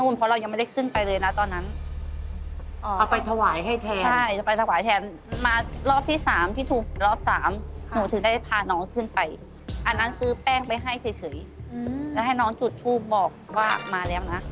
แล้วให้น้องจุดทูบบอกว่ามาแล้วนะ